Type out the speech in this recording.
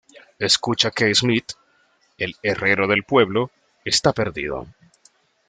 Escucha que Smith, el herrero del pueblo, está perdido.